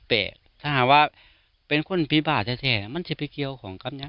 แต่ถ้าหากว่าเป็นคนพิบาลแท้มันจะไปเกี่ยวของกำเนี่ย